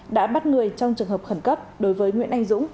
đã bắt người trong trường hợp khẩn cấp đối với nguyễn anh dũng